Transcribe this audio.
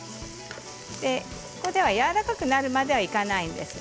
ここでは、やわらかくなるまではいきません。